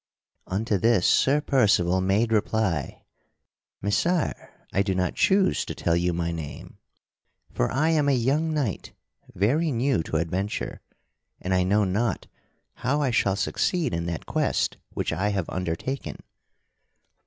Unto this Sir Percival made reply: "Messire, I do not choose to tell you my name, for I am a young knight, very new to adventure, and I know not how I shall succeed in that quest which I have undertaken.